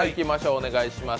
お願いします。